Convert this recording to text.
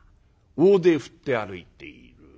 大手振って歩いている。